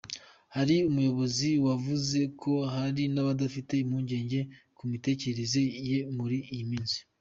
Hari umuyobozi wavuze ko hari n’abafite “impungege ku mitekerereze ye muri iyi minsi.